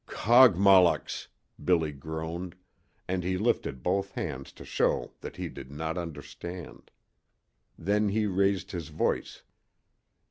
"Kogmollocks!" Billy groaned, and he lifted both hands to show that he did not understand. Then he raised his voice.